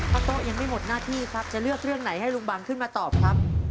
โต๊ยังไม่หมดหน้าที่ครับจะเลือกเรื่องไหนให้ลุงบังขึ้นมาตอบครับ